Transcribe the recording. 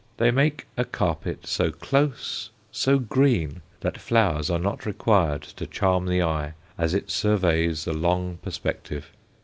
They make a carpet so close, so green, that flowers are not required to charm the eye as it surveys the long perspective.